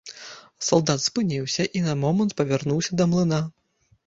Салдат спыніўся і на момант павярнуўся да млына.